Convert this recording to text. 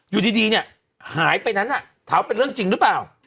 อยู่ดีเนี่ยหายไปนั้นถามเป็นเรื่องจริงหรือเปล่า